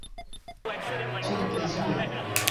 Kun plezuro.